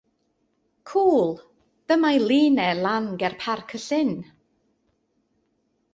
Cŵl, dyma'i lun e lan ger Parc y Llyn.